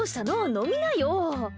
飲みなよ。